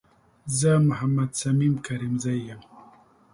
زه محمد صميم کريمزی یم